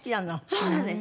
そうなんです。